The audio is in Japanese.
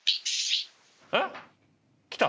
えっ来た？